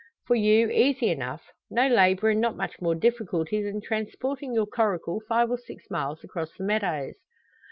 "For you, easy enough. No labour and not much more difficulty than transporting your coracle five or six miles across the meadows."